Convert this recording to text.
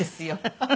ハハハハ。